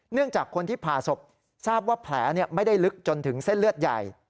จากคนที่ผ่าศพทราบว่าแผลไม่ได้ลึกจนถึงเส้นเลือดใหญ่